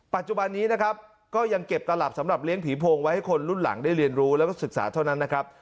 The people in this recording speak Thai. ปัจจุบันนี้นะครับก็ยังเก็บตลับสำหรับเลี้ยผีโพงไว้ให้คนรุ่นหลังได้เรียนรู้แล้วก็ศึกษาเท่านั้นนะครับ